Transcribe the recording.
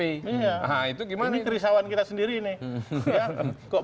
ini kerisauan kita sendiri nih